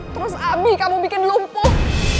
terus abis kamu bikin lumpuh